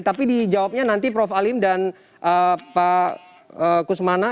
tapi dijawabnya nanti prof alim dan pak kusmana